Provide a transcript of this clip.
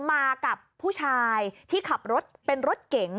มากับผู้ชายที่ขับรถเป็นรถเก๋ง